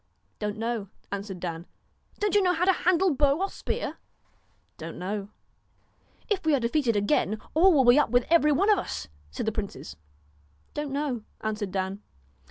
4 Don't know,' answered Dan. 1 Don't you know how to handle bow or spear?' Don't know.' 144 ' If we are defeated again, all will be up with every DON'T one of us,' said the princes. KNOW ' Don't know,' answered Dan.